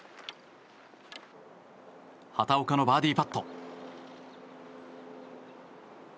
畑岡のバーディーパット。